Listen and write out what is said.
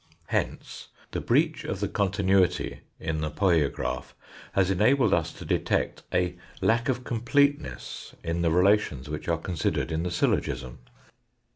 Hence the breach of the continuity in the poiograph has enabled us to detect a lack of complete ness in the relations which are considered in the syllogism.